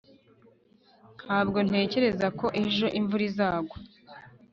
ntabwo ntekereza ko ejo imvura izagwa